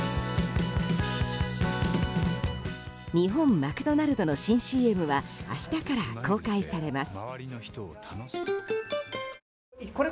日本マクドナルドの新ＣＭは明日から公開されます。